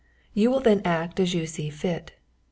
You will then act as you see fit.